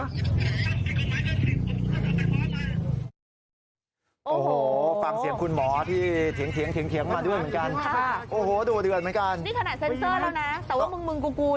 แต่ว่ามึงกูนี่คือยังได้ดุเดือดนะครับ